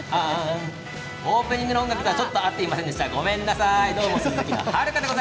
オープニングの音楽が合っていませんでした。